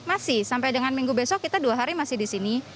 masih sampai dengan minggu besok kita dua hari masih di sini